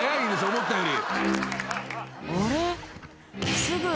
思ったより。